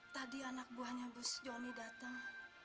tadi anak buahnya bus jomi datang